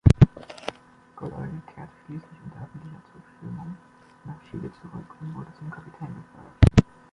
Godoy kehrte schließlich unter öffentlicher Zustimmung nach Chile zurück und wurde zum Kapitän befördert.